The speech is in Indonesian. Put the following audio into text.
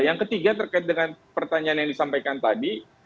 yang ketiga terkait dengan pertanyaan yang disampaikan tadi